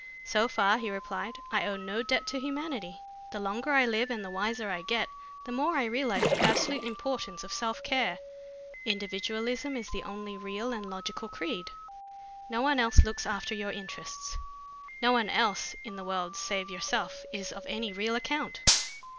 "So far," he replied, "I owe no debt to humanity. The longer I live and the wiser I get, the more I realize the absolute importance of self care. Individualism is the only real and logical creed. No one else looks after your interests. No one else in the world save yourself is of any real account."